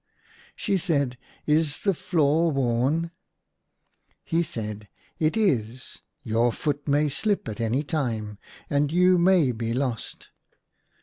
She said, " Is the floor worn ?" He said, "It is. Your foot may shp at any time, and you may be lost."